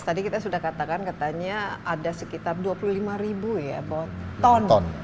tadi kita sudah katakan katanya ada sekitar dua puluh lima ribu ya ton